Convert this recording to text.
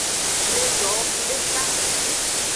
Le dowoxu deka.